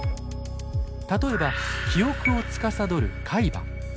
例えば記憶をつかさどる海馬。